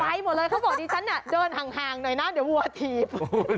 ไปหมดเลยเขาบอกดิฉันน่ะเดินห่างหน่อยนะเดี๋ยววัวถีบ